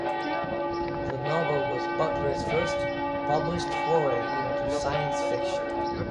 The novel was Butler's first published foray into science fiction.